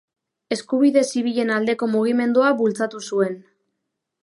Eskubide Zibilen Aldeko Mugimendua bultzatu zuen.